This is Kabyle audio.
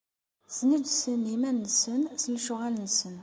Sneǧsen iman-nsen s lecɣal-nsen.